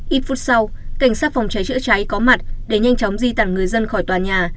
ít phút sau cảnh sát phòng cháy chữa cháy có mặt để nhanh chóng di tản người dân khỏi tòa nhà